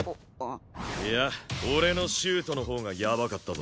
いや俺のシュートのほうがやばかったぞ。